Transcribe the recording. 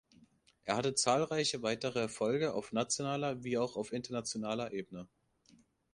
Er hatte zahlreiche weitere Erfolge auf nationaler wie auch auf internationaler Ebene.